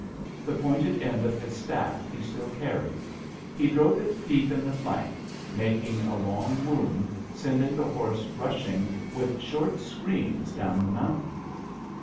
The pointed end of his staff he still carried. He drove it deep in the flank, making a long wound, sending the horse rushing with short screams down the mountain.